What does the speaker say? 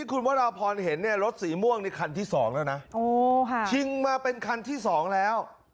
คุณวัตราพรเห็นรถสีม่วงในคันที่๒แล้วนะโอ้ค่ะชิงมาเป็นคันที่๒แล้ว